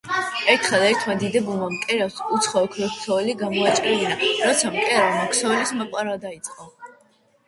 ერთხელ ერთმა დიდებულმა, მკერავს უცხო ოქროქსოვილი გამოაჭრევინა. როცა მკერავმა ქსოვლის მოპარვა დაიწყო,